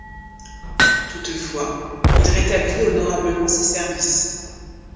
Toutefois il rétablit honorablement ses services.